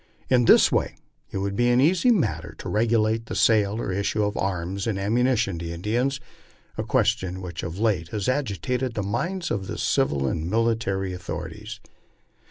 In this way it would be an easy matter to regulate the sale or issue of arms and ammuni tion to Indians, a question which of late has agitated the minds of the civil and military authorities.